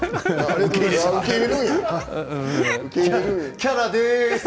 キャラでーす。